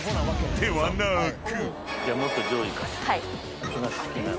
［ではなく］